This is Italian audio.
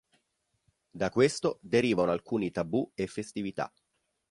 Da questo derivano alcuni tabù e festività.